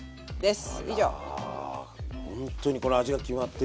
あらもうほんとにこの味が決まってるね